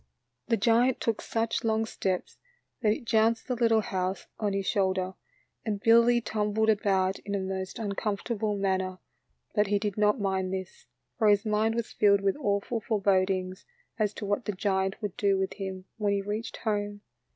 The giant took such long steps that it jounced the little house on his shoulder, and Billy tumbled about in a most uncomfortable man ner, but he did not mind this, for his mind was filled with awful forebodings as to what the giant would do with him when he reached home.